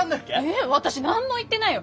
え私何も言ってないよ。